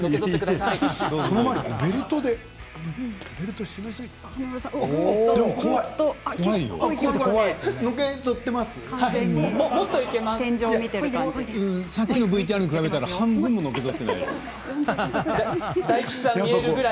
さっきのＶＴＲに比べたら半分も、のけぞってないよ。